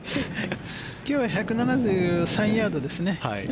今日は１７３ヤードですね。